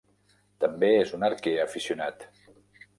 També és un arquer aficionat.